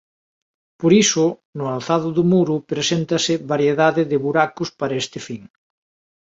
Por iso no alzado do muro preséntase variedade de buracos para este fin.